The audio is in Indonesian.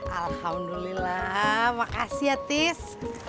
alhamdulillah makasih ya tis